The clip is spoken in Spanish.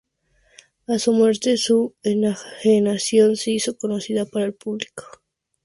A su muerte, su enajenación se hizo conocida para el público.